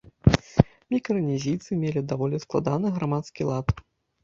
Мікранезійцы мелі даволі складаны грамадскі лад.